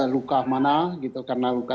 luka mana gitu karena luka